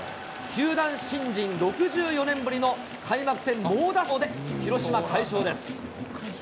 球団新人６４年ぶりの開幕戦猛打賞で、広島快勝です。